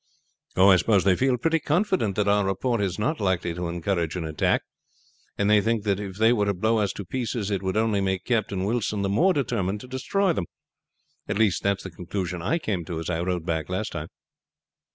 "I suppose they feel pretty confident that our report is not likely to encourage an attack, and they think that if they were to blow us to pieces it would only make Captain Wilson the more determined to destroy them. At least that is the conclusion I came to as I rowed back last time."